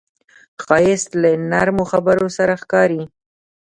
ښایست له نرمو خبرو سره ښکاري